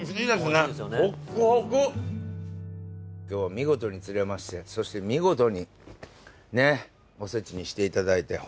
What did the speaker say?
今日見事に釣れましてそして見事におせちにしていただいて。